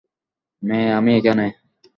মে, আমি এখানে।